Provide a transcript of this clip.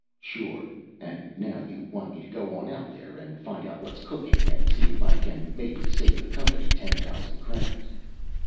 "Sure. And now you want me to go on out there and find out what's cooking, and see if I can maybe save the company ten thousand credits."